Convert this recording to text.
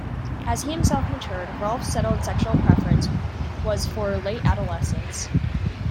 As he himself matured, Rolfe's settled sexual preference was for late adolescents.